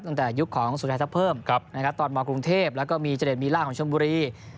ตั้งแต่ยุคของสุชายทรัพย์เพิ่มตอนมกรุงเทพแล้วก็มีเจรดมีล่าของชมบุรี